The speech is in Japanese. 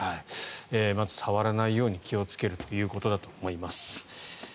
まず触らないように気をつけるということだと思います。